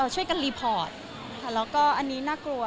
ช่วยกันรีพอร์ตแล้วก็อันนี้น่ากลัว